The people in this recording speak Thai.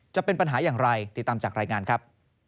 จะเป็นปัญหาอย่างไรติดตามจากรายงานครับ